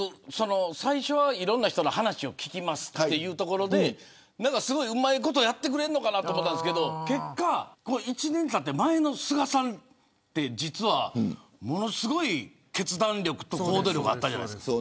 最初は、いろんな人の話を聞きますというところでうまいことやってくれるのかなと思ってたんですけど結果、１年間って前の菅さんってものすごい決断力と行動力あったじゃないですか。